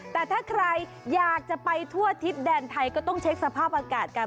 แต่ถ้าใครอยากจะไปทั่วทิศแดนไทยก็ต้องเช็คสภาพอากาศกัน